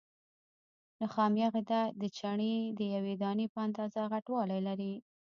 نخامیه غده د چڼې د یوې دانې په اندازه غټوالی لري.